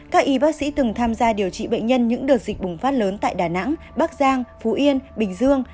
các y bác sĩ từng tham gia điều trị bệnh nhân những đợt dịch bùng phát lớn tại đà nẵng bắc giang phú yên bình dương